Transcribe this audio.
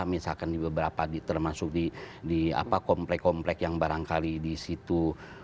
misalkan di beberapa termasuk di komplek komplek yang barangkali di situ